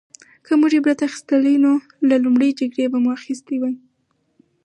که موږ عبرت اخیستلی نو له لومړۍ جګړې به مو اخیستی وای